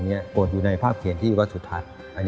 โปรดอยู่ในภาพเขียนที่วัดสุทัศน์